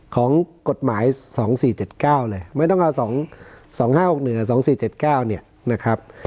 ของกฎหมาย๒๔๗๙เลยไม่ต้องเอา๒๕๖๑๒๔๗๙เนี่ยนะครับ